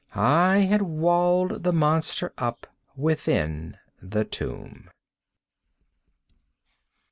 I had walled the monster up within the tomb!